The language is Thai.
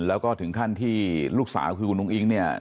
แล้วก็ถึงขั้นที่ลูกสาวคือคุณอุ้งอิ๊งเนี่ย